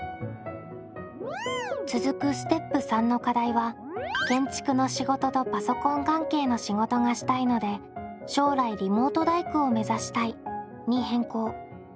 続くステップ③の課題は「建築の仕事とパソコン関係の仕事がしたいので将来リモート大工を目指したい」に変更。